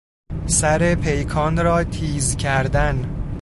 سر پیکان را تیز کردن